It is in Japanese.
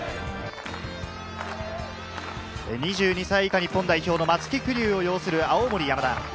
２２歳以下日本代表の松木玖生を擁する青森山田。